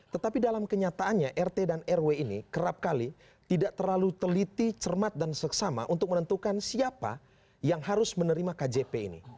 tetapi dalam kenyataannya rt dan rw ini kerap kali tidak terlalu teliti cermat dan seksama untuk menentukan siapa yang harus menerima kjp ini